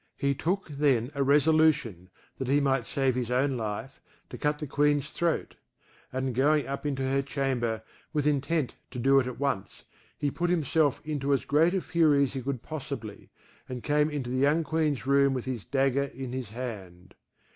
He took then a resolution, that he might save his own life, to cut the Queen's throat; and going up into her chamber, with intent to do it at once, he put himself into as great a fury as he could possibly, and came into the young Queen's room with his dagger in his hand.